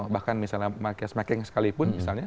bahkan misalnya marques mekeng sekalipun